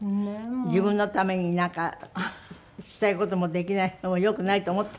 自分のためになんかしたい事もできないのも良くないと思ったんじゃない？